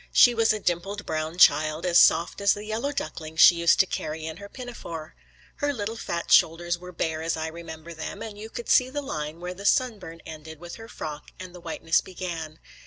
She was a dimpled, brown child, as soft as the yellow ducklings she used to carry in her pinafore. Her little fat shoulders were bare as I remember them, and you could see the line where the sunburn ended with her frock and the whiteness began.